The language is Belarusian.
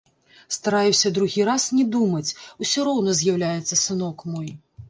Стараюся другі раз не думаць, усё роўна з'яўляецца сынок мой.